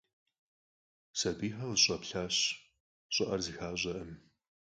Сэбийхэр къызэщӀэплъащ, щӀыӀэр зэхащӀэркъым.